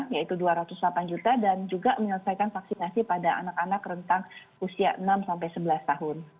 yaitu dua ratus delapan juta dan juga menyelesaikan vaksinasi pada anak anak rentang usia enam sampai sebelas tahun